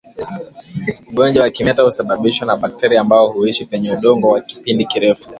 Ugonjwa wa kimeta husababishwa na bakteria ambao huishi kwenye udongo kwa kipindi kirefu